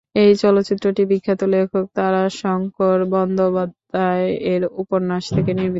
এই চলচ্চিত্রটি বিখ্যাত লেখক তারাশঙ্কর বন্দ্যোপাধ্যায় এর উপন্যাস থেকে নির্মিত।